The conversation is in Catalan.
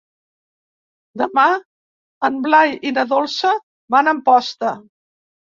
Demà en Blai i na Dolça van a Amposta.